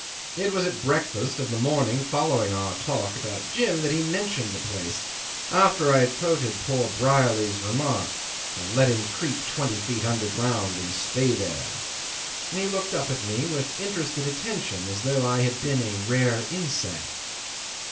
It was at breakfast of the morning following our talk about Jim that he mentioned the place, after I had quoted poor Brierly's remark: "Let him creep twenty feet underground and stay there." He looked up at me with interested attention, as though I had been a rare insect.